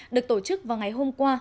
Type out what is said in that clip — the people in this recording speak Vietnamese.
được tổ chức vào ngày hôm qua